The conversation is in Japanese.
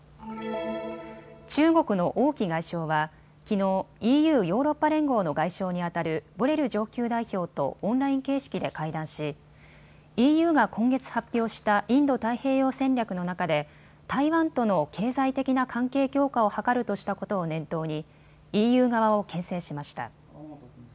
中国の王毅外相はきのうＥＵ・ヨーロッパ連合の外相にあたるボレル上級代表とオンライン形式で会談しＥＵが今月発表したインド太平洋戦略の中で台湾との経済的な関係強化を図るとしたことを念頭にＥＵ側をけん制しました。